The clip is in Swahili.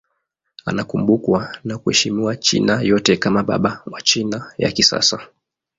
Anakumbukwa na kuheshimiwa China yote kama baba wa China ya kisasa.